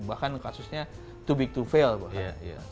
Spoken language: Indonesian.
bahkan kasusnya to big to fail bahkan